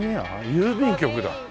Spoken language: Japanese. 郵便局だ。